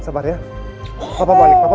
gak lama gak lama